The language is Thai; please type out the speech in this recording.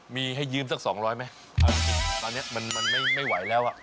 มีให้ยืมสัก๒๐๐บาทไหมตอนนี้มันไม่ไหวแล้ว